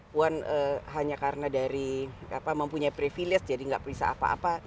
puan hanya karena dari mempunyai privilege jadi nggak bisa apa apa